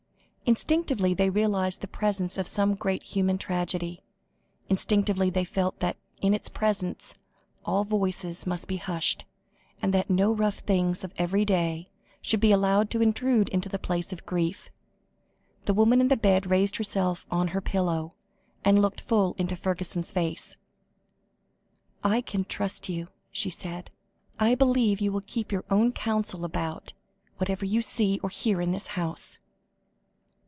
Instinctively, they realised the presence of some great human tragedy; instinctively, they felt that in its presence, all voices must be hushed, and that no rough things of every day, should be allowed to intrude into the place of grief. The woman in the bed raised herself on her pillow, and looked full into Fergusson's face. "I can trust you," she said. "I believe you will keep your own counsel about whatever you see or hear in this house."